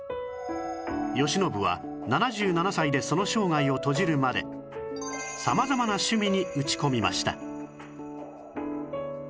慶喜は７７歳でその生涯を閉じるまで様々な趣味に打ち込みました